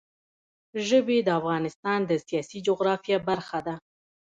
ژبې د افغانستان د سیاسي جغرافیه برخه ده.